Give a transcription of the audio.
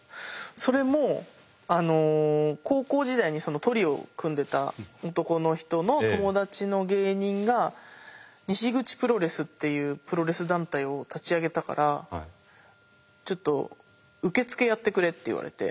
それもあの高校時代にそのトリオを組んでた男の人の友達の芸人が西口プロレスっていうプロレス団体を立ち上げたからちょっと受付やってくれって言われて。